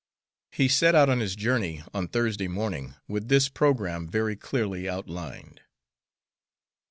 He set out on his journey on Thursday morning, with this programme very clearly outlined.